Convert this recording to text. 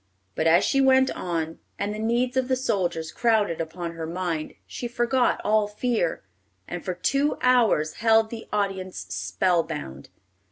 But as she went on, and the needs of the soldiers crowded upon her mind, she forgot all fear, and for two hours held the audience spell bound.